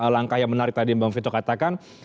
langkah yang menarik tadi yang bang finto katakan